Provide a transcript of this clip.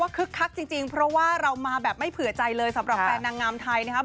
คักจริงเพราะว่าเรามาแบบไม่เผื่อใจเลยสำหรับแฟนนางงามไทยนะครับ